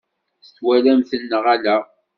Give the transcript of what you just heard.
Twalam-ten neɣ ala?